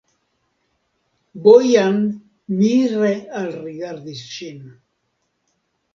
Bojan mire alrigardis ŝin.